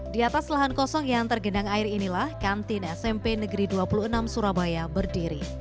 di atas lahan kosong yang tergenang air inilah kantin smp negeri dua puluh enam surabaya berdiri